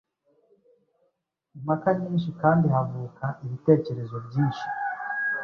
impaka nyinshi kandi havuka ibitekerezo byinshi